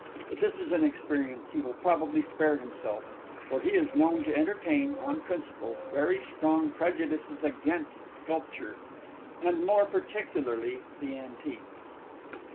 But this is an experience he will probably spare himself; for he is known to entertain, on principle, very strong prejudices against sculpture, and more particularly the Antique.